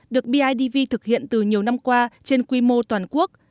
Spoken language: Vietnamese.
được bidv thực hiện từ nhiều năm qua trên quy mô toàn quốc